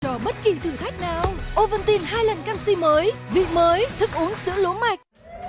cho bất kỳ thử thách nào oventin hai lần canxi mới vịt mới thức uống sữa lố mạch